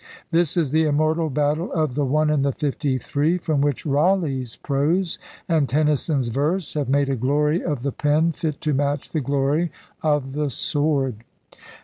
This is the immortal battle of *the one and the fifty three' from which Raleigh's prose and Tennyson's verse have made a glory of the pen fit to match the glory of the sword.